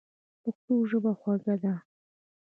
پښتو ژبه خوږه ده.